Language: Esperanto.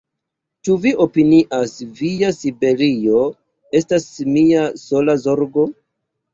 Ĉu vi opinias, via Siberio estas mia sola zorgo?